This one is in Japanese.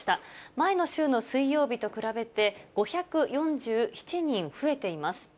前の週の水曜日と比べて、５４７人増えています。